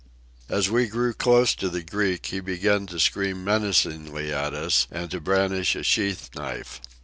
As we drew close to the Greek he began to scream menacingly at us and to brandish a sheath knife.